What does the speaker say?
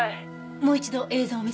もう一度映像を見せて。